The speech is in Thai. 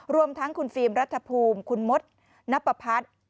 รวมทั้งคุณฟิล์มรัฐภูมิคุณมดนับประพัฒน์